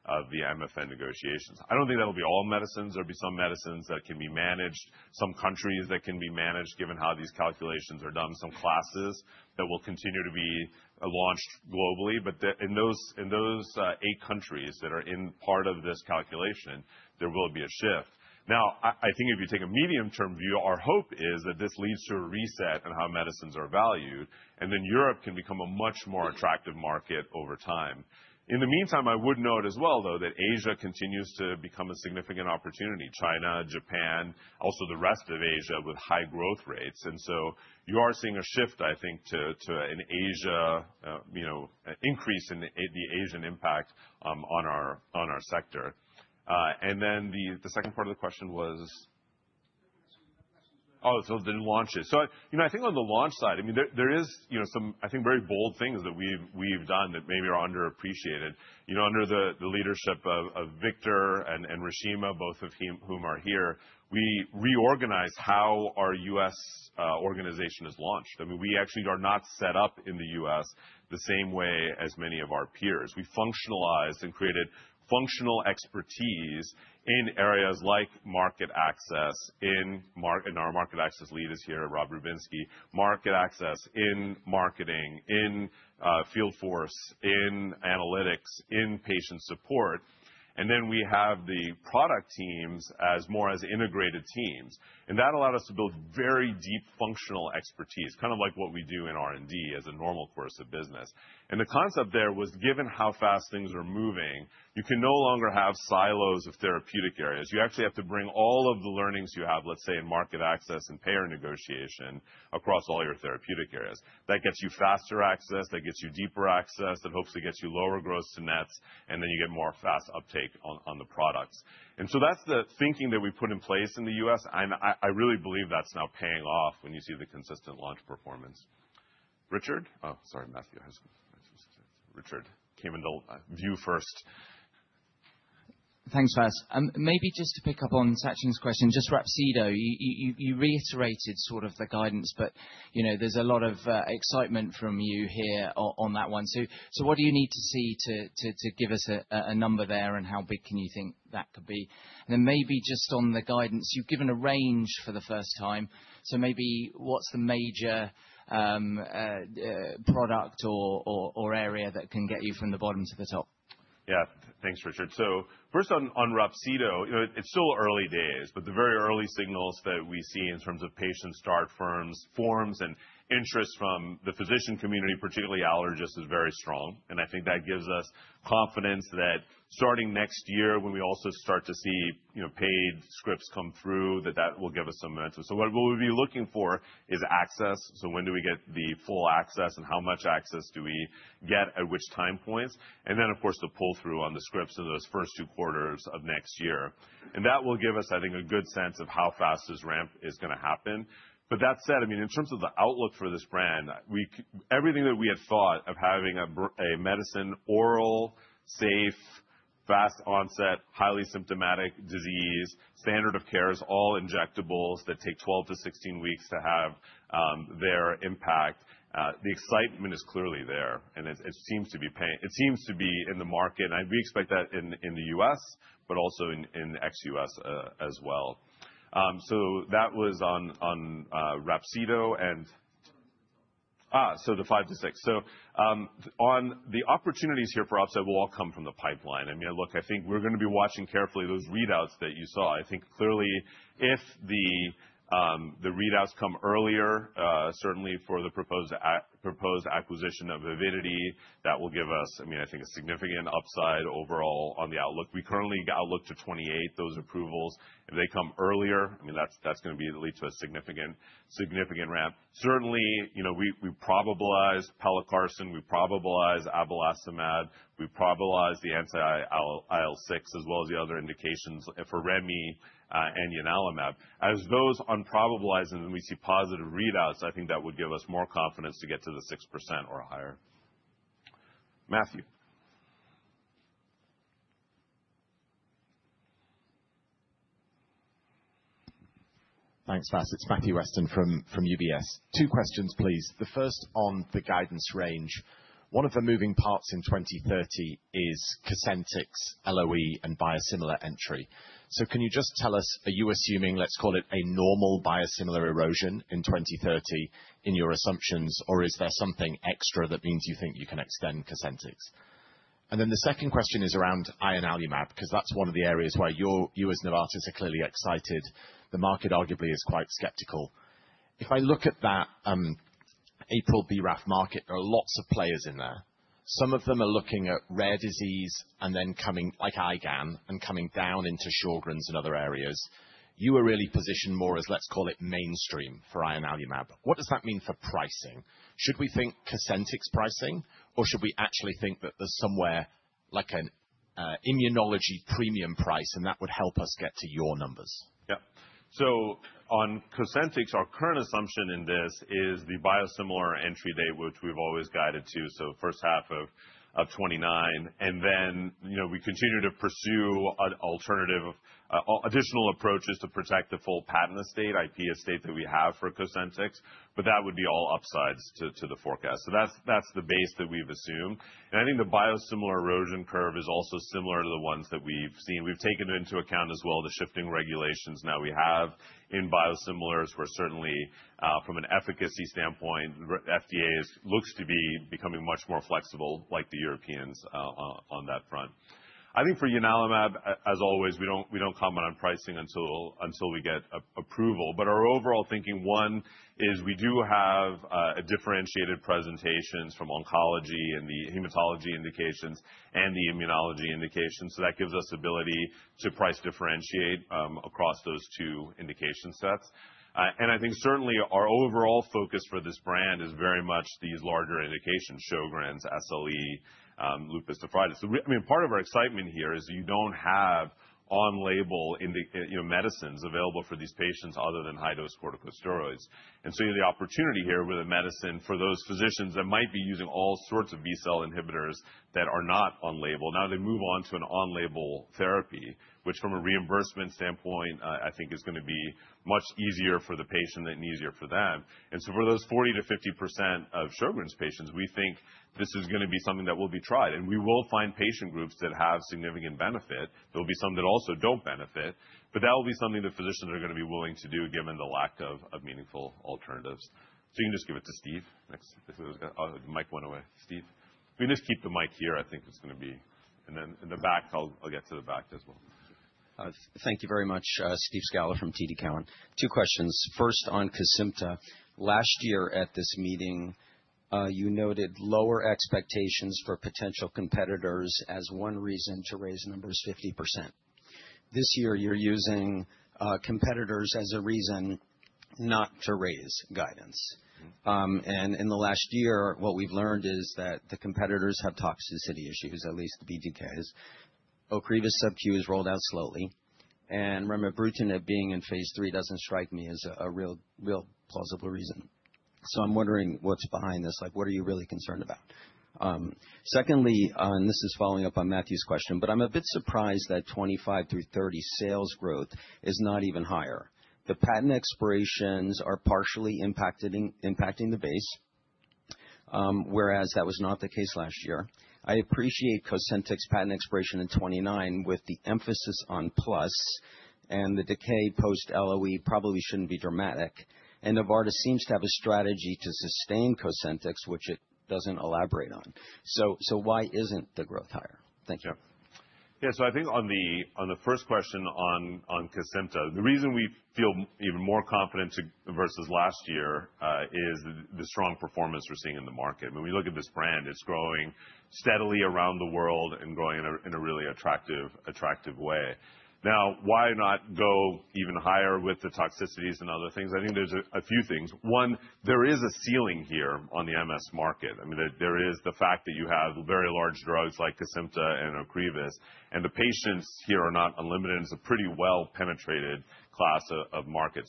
of the MFN negotiations. I don't think that'll be all medicines. There'll be some medicines that can be managed, some countries that can be managed given how these calculations are done, some classes that will continue to be launched globally. In those eight countries that are in part of this calculation, there will be a shift. I think if you take a medium-term view, our hope is that this leads to a reset in how medicines are valued, and then Europe can become a much more attractive market over time. In the meantime, I would note as well, though, that Asia continues to become a significant opportunity. China, Japan, also the rest of Asia with high growth rates. You are seeing a shift, I think, to an Asia, increase in the Asian impact on our sector. The second part of the question was. Oh, the launches. I think on the launch side, there is some, I think, very bold things that we've done that maybe are underappreciated. Under the leadership of Victor and Rashima, both of whom are here, we reorganized how our US organization is launched. I mean, we actually are not set up in the US the same way as many of our peers. We functionalized and created functional expertise in areas like market access, and our market access leaders here, Rob Rubinsky, market access in marketing, in field force, in analytics, in patient support. We have the product teams more as integrated teams. That allowed us to build very deep functional expertise, kind of like what we do in R&D as a normal course of business. The concept there was, given how fast things are moving, you can no longer have silos of therapeutic areas. You actually have to bring all of the learnings you have, let's say, in market access and payer negotiation across all your therapeutic areas. That gets you faster access, that gets you deeper access, that hopefully gets you lower gross to nets, and then you get more fast uptake on the products. That is the thinking that we put in place in the U.S. I really believe that's now paying off when you see the consistent launch performance. Richard, oh, sorry, Matthew has some things. Richard came into view first. Thanks, Sas. Maybe just to pick up on Sachin's question, just Rapsido, you reiterated sort of the guidance, but there's a lot of excitement from you here on that one. What do you need to see to give us a number there and how big can you think that could be? Maybe just on the guidance, you've given a range for the first time. What is the major product or area that can get you from the bottom to the top? Yeah, thanks, Richard. First on Rapsido, it's still early days, but the very early signals that we see in terms of patient start forms and interest from the physician community, particularly allergists, is very strong. I think that gives us confidence that starting next year, when we also start to see paid scripts come through, that that will give us some momentum. What we'll be looking for is access. When do we get the full access and how much access do we get at which time points? Of course, the pull-through on the scripts in those first two quarters of next year. That will give us, I think, a good sense of how fast this ramp is going to happen. That said, I mean, in terms of the outlook for this brand, everything that we had thought of having a medicine, oral, safe, fast onset, highly symptomatic disease, standard of cares, all injectables that take 12 to 16 weeks to have their impact, the excitement is clearly there. It seems to be in the market. We expect that in the U.S., but also in ex-U.S. as well. That was on Rapsido and. The five to six. The five to six. On the opportunities here for upside, we'll all come from the pipeline. I mean, look, I think we're going to be watching carefully those readouts that you saw. I think clearly if the readouts come earlier, certainly for the proposed acquisition of Avidity, that will give us, I mean, I think a significant upside overall on the outlook. We currently outlook to 2028, those approvals. If they come earlier, I mean, that's going to lead to a significant ramp. Certainly, we've probabilized pelacarsen. We've probabilized avalastramab. We've probabilized the anti-IL6 as well as the other indications for Remibrutinib and Ianalumab. As those unprobabilize and we see positive readouts, I think that would give us more confidence to get to the 6% or higher. Matthew. Thanks, Sas. It's Matthew Weston from UBS. Two questions, please. The first on the guidance range. One of the moving parts in 2030 is Cosentyx, LOE, and biosimilar entry. Can you just tell us, are you assuming, let's call it a normal biosimilar erosion in 2030 in your assumptions, or is there something extra that means you think you can extend Cosentyx? The second question is around ianalumab, because that's one of the areas where you as Novartis are clearly excited. The market arguably is quite skeptical. If I look at that April BRAF market, there are lots of players in there. Some of them are looking at rare disease and then coming like IgAN and coming down into Sjogren's and other areas. You are really positioned more as, let's call it mainstream for ianalumab. What does that mean for pricing? Should we think Cosentyx pricing, or should we actually think that there's somewhere like an immunology premium price and that would help us get to your numbers? Yeah. On Cosentyx, our current assumption in this is the biosimilar entry date, which we've always guided to, so first half of 2029. We continue to pursue alternative additional approaches to protect the full patent estate, IP estate that we have for Cosentyx, but that would be all upsides to the forecast. That's the base that we've assumed. I think the biosimilar erosion curve is also similar to the ones that we've seen. We've taken into account as well the shifting regulations now we have in biosimilars, where certainly from an efficacy standpoint, FDA looks to be becoming much more flexible, like the Europeans on that front. I think for ianalumab, as always, we don't comment on pricing until we get approval. Our overall thinking, one, is we do have differentiated presentations from oncology and the hematology indications and the immunology indications. That gives us ability to price differentiate across those two indication sets. I think certainly our overall focus for this brand is very much these larger indications, Sjogren's, SLE, lupus nephritis. I mean, part of our excitement here is you do not have on-label medicines available for these patients other than high-dose corticosteroids. You have the opportunity here with a medicine for those physicians that might be using all sorts of B-cell inhibitors that are not on-label. Now they move on to an on-label therapy, which from a reimbursement standpoint, I think is going to be much easier for the patient and easier for them. For those 40-50% of Sjogren's patients, we think this is going to be something that will be tried. We will find patient groups that have significant benefit. There will be some that also do not benefit. That will be something that physicians are going to be willing to do given the lack of meaningful alternatives. You can just give it to Steve. The mic went away. Steve. We can just keep the mic here. I think it's going to be. In the back, I'll get to the back as well. Thank you very much, Steve Scaller from TD Cowen. Two questions. First on Kesimpta. Last year at this meeting, you noted lower expectations for potential competitors as one reason to raise numbers 50%. This year, you're using competitors as a reason not to raise guidance. In the last year, what we've learned is that the competitors have toxicity issues, at least the BTKs. Ocrevus SubQ has rolled out slowly. Remember, remibrutinib being in phase three doesn't strike me as a real plausible reason. I'm wondering what's behind this. Like, what are you really concerned about? Secondly, and this is following up on Matthew's question, but I'm a bit surprised that 2025 through 2030 sales growth is not even higher. The patent expirations are partially impacting the base, whereas that was not the case last year. I appreciate Cosentyx patent expiration in 2029 with the emphasis on plus and the decay post-LOE probably should not be dramatic. Novartis seems to have a strategy to sustain Cosentyx, which it does not elaborate on. Why is not the growth higher? Thank you. Yeah. Yeah, I think on the first question on Kesimpta, the reason we feel even more confident versus last year is the strong performance we're seeing in the market. When we look at this brand, it's growing steadily around the world and growing in a really attractive way. Now, why not go even higher with the toxicities and other things? I think there's a few things. One, there is a ceiling here on the MS market. I mean, there is the fact that you have very large drugs like Kesimpta and Ocrevus, and the patients here are not unlimited. It's a pretty well-penetrated class of market.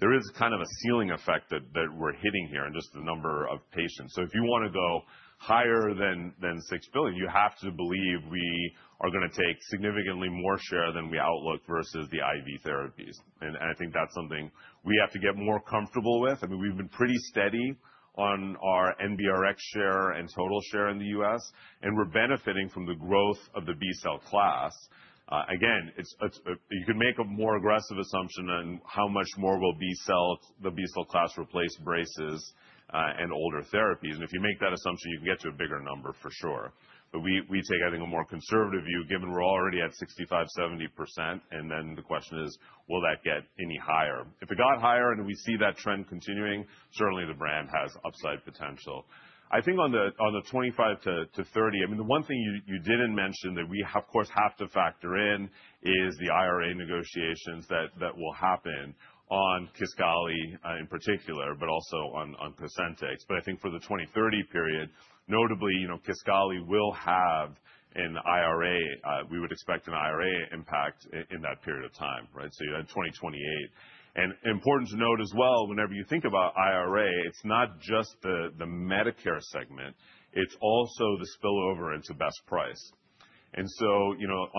There is kind of a ceiling effect that we're hitting here in just the number of patients. If you want to go higher than $6 billion, you have to believe we are going to take significantly more share than we outlook versus the IV therapies. I think that's something we have to get more comfortable with. I mean, we've been pretty steady on our NBRX share and total share in the U.S., and we're benefiting from the growth of the B-cell class. Again, you can make a more aggressive assumption on how much more will the B-cell class replace braces and older therapies. If you make that assumption, you can get to a bigger number for sure. We take, I think, a more conservative view given we're already at 65-70%. The question is, will that get any higher? If it got higher and we see that trend continuing, certainly the brand has upside potential. I think on the 25-30, I mean, the one thing you didn't mention that we, of course, have to factor in is the IRA negotiations that will happen on Kisqali in particular, but also on Cosentyx. I think for the 2030 period, notably, Kisqali will have an IRA. We would expect an IRA impact in that period of time, right? You had 2028. Important to note as well, whenever you think about IRA, it's not just the Medicare segment. It's also the spillover into best price.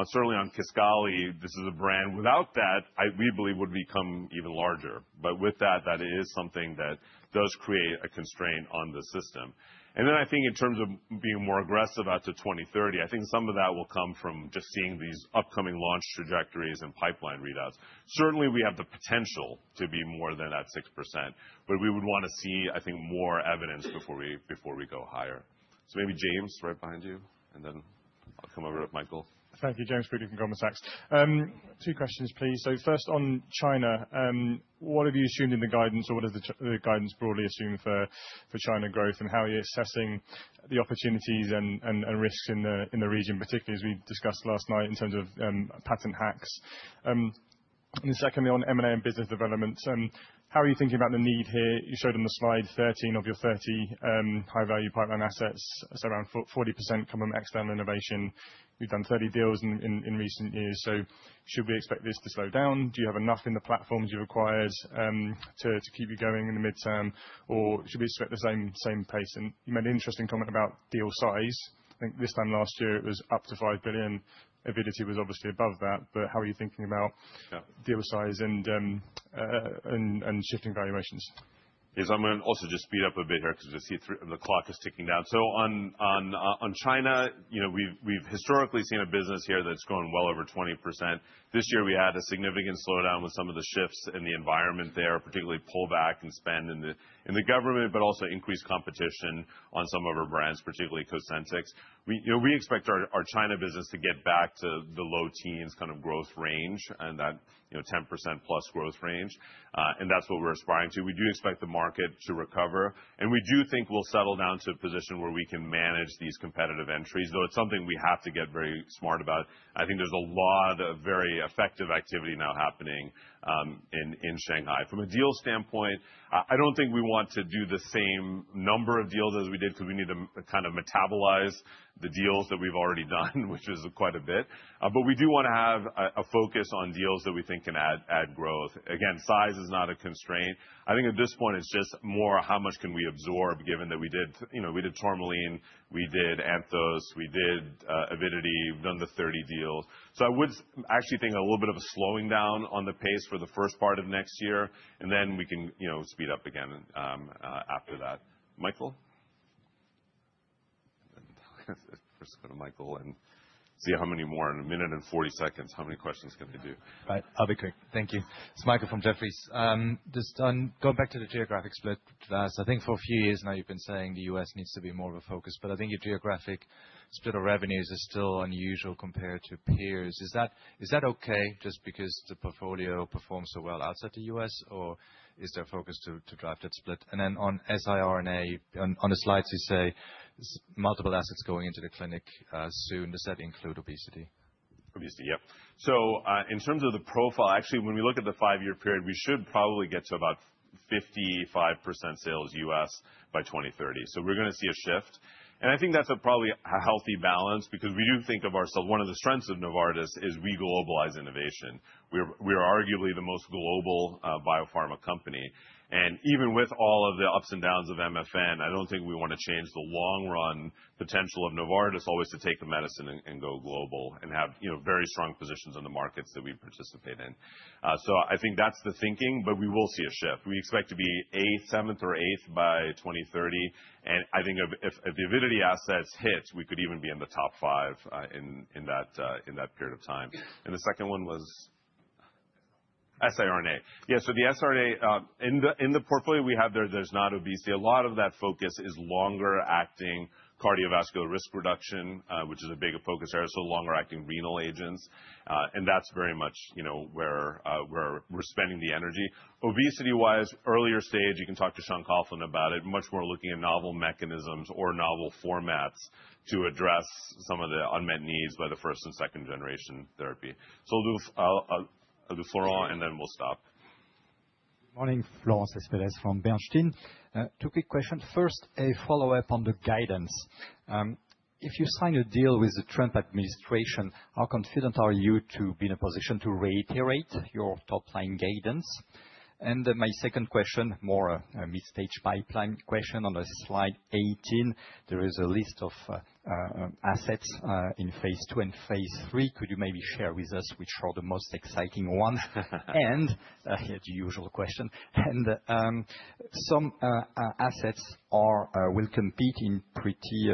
Certainly on Kisqali, this is a brand without that, we believe would become even larger. With that, that is something that does create a constraint on the system. I think in terms of being more aggressive out to 2030, I think some of that will come from just seeing these upcoming launch trajectories and pipeline readouts. Certainly, we have the potential to be more than that 6%, but we would want to see, I think, more evidence before we go higher. Maybe James right behind you, and then I'll come over to Michael. Thank you, James. Good evening, Goldman Sachs. Two questions, please. First on China, what have you assumed in the guidance, or what does the guidance broadly assume for China growth, and how are you assessing the opportunities and risks in the region, particularly as we discussed last night in terms of patent hacks? Secondly, on M&A and business development, how are you thinking about the need here? You showed on the slide 13 of your 30 high-value pipeline assets, so around 40% come from external innovation. We've done 30 deals in recent years. Should we expect this to slow down? Do you have enough in the platforms you've acquired to keep you going in the midterm, or should we expect the same pace? You made an interesting comment about deal size. I think this time last year it was up to $5 billion. Avidity was obviously above that, but how are you thinking about deal size and shifting valuations? Yes, I'm going to also just speed up a bit here because the clock is ticking down. On China, we've historically seen a business here that's grown well over 20%. This year, we had a significant slowdown with some of the shifts in the environment there, particularly pullback in spend in the government, but also increased competition on some of our brands, particularly Cosentyx. We expect our China business to get back to the low teens kind of growth range and that 10%+ growth range. That's what we're aspiring to. We do expect the market to recover. We do think we'll settle down to a position where we can manage these competitive entries, though it's something we have to get very smart about. I think there's a lot of very effective activity now happening in Shanghai. From a deal standpoint, I don't think we want to do the same number of deals as we did because we need to kind of metabolize the deals that we've already done, which is quite a bit. We do want to have a focus on deals that we think can add growth. Again, size is not a constraint. I think at this point it's just more how much can we absorb, given that we did Tourmaline, we did Anthos, we did Avidity, we've done the 30 deals. I would actually think a little bit of a slowing down on the pace for the first part of next year, and then we can speed up again after that. Michael? First go to Michael and see how many more in a minute and 40 seconds. How many questions can I do? I'll be quick. Thank you. It's Michael from Jefferies. Just on going back to the geographic split for us, I think for a few years now you've been saying the U.S. needs to be more of a focus, but I think your geographic split of revenues is still unusual compared to peers. Is that okay just because the portfolio performs so well outside the U.S., or is there a focus to drive that split? On siRNA, on the slides you say multiple assets going into the clinic soon. Does that include obesity? Obesity, yeah. In terms of the profile, actually, when we look at the five-year period, we should probably get to about 55% sales US by 2030. We are going to see a shift. I think that's probably a healthy balance because we do think of ourselves, one of the strengths of Novartis is we globalize innovation. We are arguably the most global biopharma company. Even with all of the ups and downs of MFN, I don't think we want to change the long-run potential of Novartis always to take the medicine and go global and have very strong positions in the markets that we participate in. I think that's the thinking, but we will see a shift. We expect to be seventh or eighth by 2030. I think if the Avidity assets hit, we could even be in the top five in that period of time. The second one was siRNA. Yeah, so the siRNA in the portfolio we have there, there's not obesity. A lot of that focus is longer-acting cardiovascular risk reduction, which is a big focus area, so longer-acting renal agents. That is very much where we're spending the energy. Obesity-wise, earlier stage, you can talk to Sean Coughlin about it, much more looking at novel mechanisms or novel formats to address some of the unmet needs by the first and second-generation therapy. I'll do Florent, and then we'll stop. Good morning, Florent Cespedes from Bernstein. Two quick questions. First, a follow-up on the guidance. If you sign a deal with the Trump administration, how confident are you to be in a position to reiterate your top-line guidance? My second question, more a mid-stage pipeline question. On the slide 18, there is a list of assets in phase two and phase three. Could you maybe share with us which are the most exciting ones? The usual question. Some assets will compete in pretty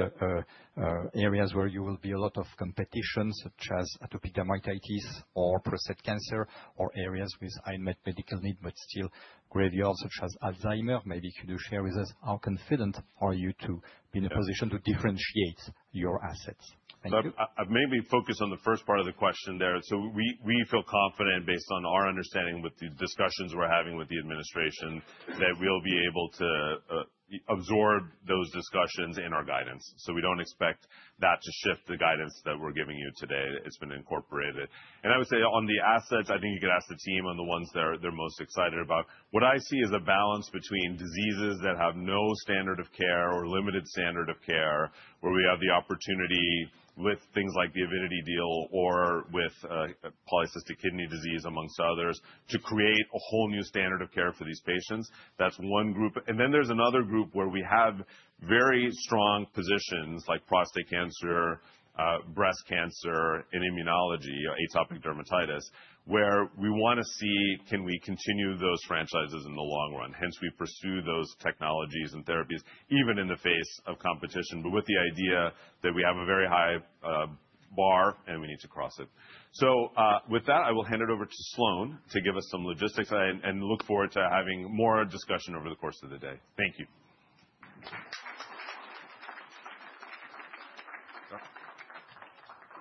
areas where you will be a lot of competition, such as atopic dermatitis or prostate cancer or areas with unmet medical need, but still graveyards, such as Alzheimer. Maybe could you share with us how confident are you to be in a position to differentiate your assets? Thank you. I've mainly focused on the first part of the question there. We feel confident based on our understanding with the discussions we're having with the administration that we'll be able to absorb those discussions in our guidance. We don't expect that to shift the guidance that we're giving you today. It's been incorporated. I would say on the assets, I think you could ask the team on the ones they're most excited about. What I see is a balance between diseases that have no standard of care or limited standard of care, where we have the opportunity with things like the Avidity deal or with polycystic kidney disease amongst others to create a whole new standard of care for these patients. That's one group. There is another group where we have very strong positions like prostate cancer, breast cancer, and immunology, atopic dermatitis, where we want to see can we continue those franchises in the long run. Hence, we pursue those technologies and therapies even in the face of competition, but with the idea that we have a very high bar and we need to cross it. With that, I will hand it over to Sloane to give us some logistics and look forward to having more discussion over the course of the day. Thank you.